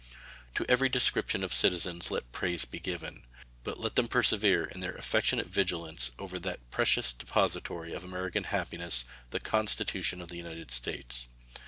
To every description of citizens, let praise be given, but let them persevere in their affectionate vigilance over that precious depository of American happiness, the Constitution of the United States.